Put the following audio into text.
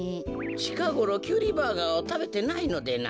ちかごろキュウリバーガーをたべてないのでな。